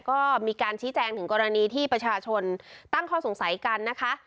ก็มีการชี้แจงถึงกรณีที่ประชาชนตั้งข้อสงสัยกันนะคะ